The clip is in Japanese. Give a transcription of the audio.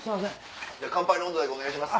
乾杯の音頭だけお願いします。